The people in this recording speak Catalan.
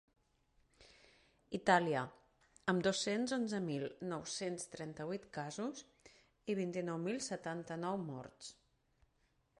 Itàlia, amb dos-cents onze mil nou-cents trenta-vuit casos i vint-i-nou mil setanta-nou morts.